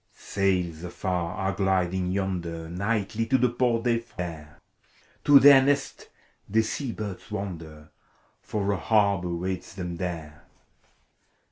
Sails afar are gliding yonder; A' ACT V. 225 Nightly to the port they fare : To their nest the sea birds wander, For a harbor waits them there.